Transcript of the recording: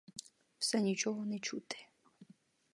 Все нічого не чути.